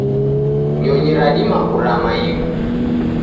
Nyonyi radima kurama ighu.